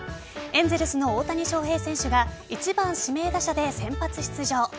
エンゼルスの大谷翔平選手が１番・指名打者で先発出場。